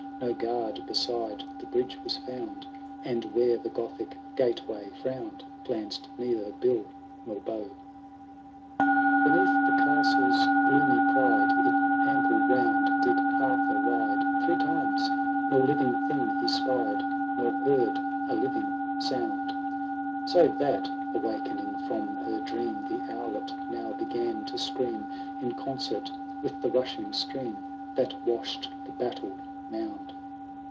No guard beside the bridge was found. And, where the .Gothic gateway frown'd, Glanced neither bill nor bow. 26 THB BRIOAL OF TRIXRMAIN. CofdO /• XIV. *^ Beneath the castle^s gloomj pride, In ample round did Arthur ride Three times ; nor living thing he spied, Nor heard a living sound. Save thatj awakening from her dream. The owlet now began to scream. In concert with the rushing stream. That wash'd the battled mound.